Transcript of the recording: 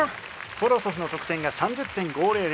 コロソフの得点が３０．５００。